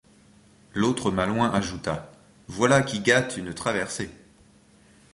L’autre malouin ajouta: — Voilà qui gâte une traversée.